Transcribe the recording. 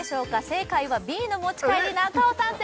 正解はＢの持ち帰り中尾さん